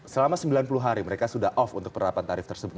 selama sembilan puluh hari mereka sudah off untuk penerapan tarif tersebut